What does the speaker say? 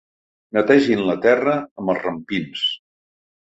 Netegin la terra amb els rampins.